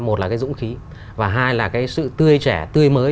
một là cái dũng khí và hai là cái sự tươi trẻ tươi mới